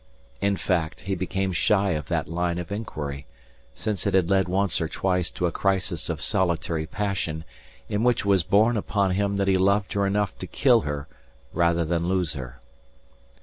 In fact, he became shy of that line of inquiry, since it had led once or twice to a crisis of solitary passion in which it was borne upon him that he loved her enough to kill her rather than lose her.